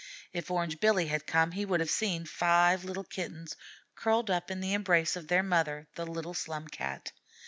If Orange Billy had come he would have seen five little Kittens curled up in the embrace of their mother, the little Slum Cat.